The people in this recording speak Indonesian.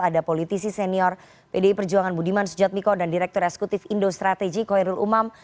ada politisi senior pdi perjuangan budiman sujatmiko dan direktur eksekutif indo strategi koirul umam